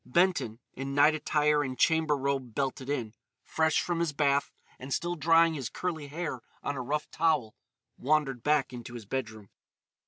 Benton, in night attire and chamber robe belted in, fresh from his bath and still drying his curly hair on a rough towel, wandered back into his bedroom.